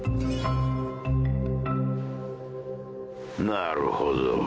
なるほど。